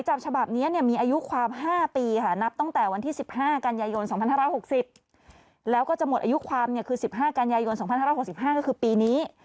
หลักสารของสถานมายจับฉบับนี้